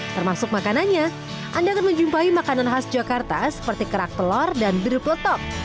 termasuk makanannya anda akan menjumpai makanan khas jakarta seperti kerak telur dan biru peletop